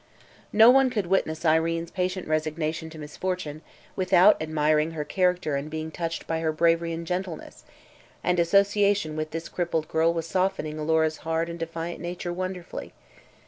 No one could witness Irene's patient resignation to misfortune without admiring her character and being touched by her bravery and gentleness, and association with this crippled girl was softening Alora's hard and defiant nature wonderfully.